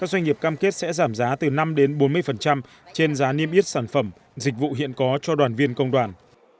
các doanh nghiệp cam kết sẽ giảm giá từ năm bốn mươi trên giá niêm yết sản phẩm dịch vụ hiện có cho đoàn viên công đoàn